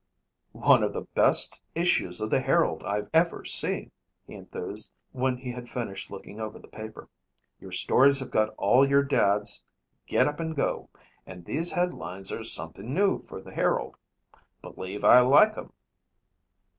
"One of the best issues of the Herald I've ever seen," he enthused when he had finished looking over the paper. "Your stories have got all your Dad's 'get up and go' and these headlines are something new for the Herald. Believe I like 'em."